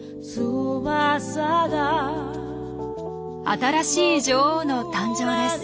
新しい女王の誕生です。